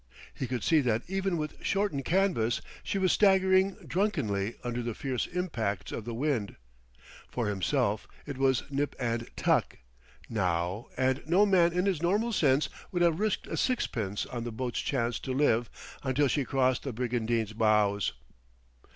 He could see that even with shortened canvas she was staggering drunkenly under the fierce impacts of the wind. For himself, it was nip and tuck, now, and no man in his normal sense would have risked a sixpence on the boat's chance to live until she crossed the brigantine's bows.